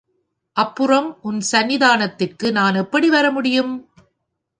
அப்புறம் உன் சந்நிதானத்திற்கு நான் எப்படி வர முடியும்?